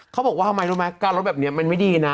เขาบอกว่าทำไมรู้ไหมการลดแบบนี้มันไม่ดีนะ